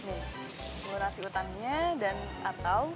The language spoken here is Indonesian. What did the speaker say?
mengurasi hutannya dan atau